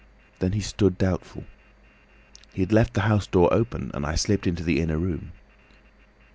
Then he stood doubtful. He had left the house door open and I slipped into the inner room.